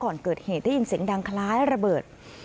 ก่อนเกิดเหตุได้ยินเสียงดังคล้ายระเบิด